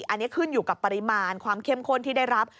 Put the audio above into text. อันนี้ขึ้นอยู่กับปริมาณความเข้มข้นที่ได้รับ